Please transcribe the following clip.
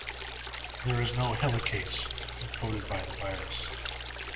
There is no helicase encoded by the virus.